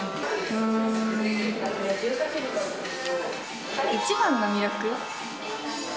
うーん。一番の魅力？